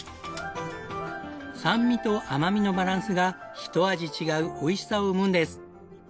酸味と甘みのバランスがひと味違うおいしさを生むんです。